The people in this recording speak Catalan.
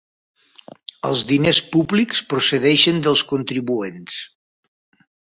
Els diners públics procedeixen dels contribuents.